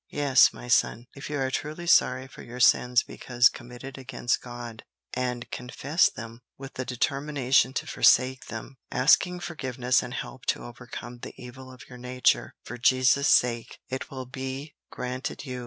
"Yes, my son, if you are truly sorry for your sins because committed against God, and confess them with the determination to forsake them, asking forgiveness and help to overcome the evil of your nature, for Jesus' sake, it will be granted you.